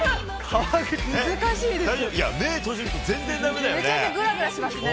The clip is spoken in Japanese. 目を閉じると全然だめだよね。